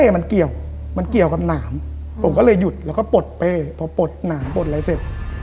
มันเกี่ยวมันเกี่ยวกับหนามผมก็เลยหยุดแล้วก็ปลดเป้พอปลดหนามปลดอะไรเสร็จ